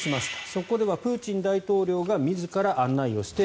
そこではプーチン大統領が自ら案内をして